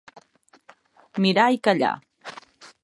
Mirar i callar.